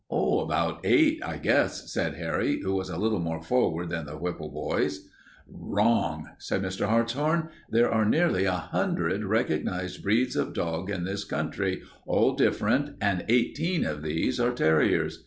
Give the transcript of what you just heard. "About eight, I guess," said Harry, who was a little more forward than the Whipple boys. "Wrong," said Mr. Hartshorn. "There are nearly a hundred recognized breeds of dogs in this country, all different, and eighteen of these are terriers.